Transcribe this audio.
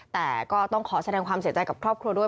แต่ก็ต้องขอแสดงความเสียใจกับครอบครัวด้วย